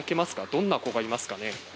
どんな子がいますか？